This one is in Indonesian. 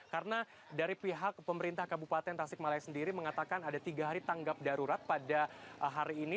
karena dari pihak pemerintah kabupaten tasik malaya sendiri mengatakan ada tiga hari tanggap darurat pada hari ini